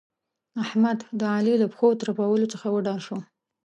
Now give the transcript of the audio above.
احمد؛ د علي له پښو ترپولو څخه وډار شو.